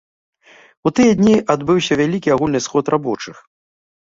У тыя дні адбыўся вялікі агульны сход рабочых.